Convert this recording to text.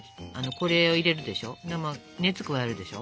これを入れるでしょ。